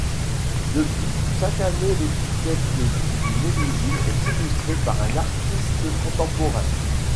Depuis, chaque année l'étiquette du millésime est illustrée par un artiste contemporain.